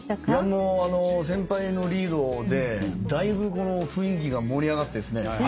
もう先輩のリードでだいぶこの雰囲気が盛り上がってですね